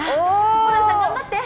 ホランさん、頑張って。